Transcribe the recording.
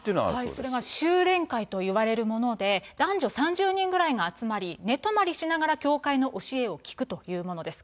それが修練会といわれるもので、男女３０人ぐらいが集まり、寝泊まりしながら教会の教えを聞くというものです。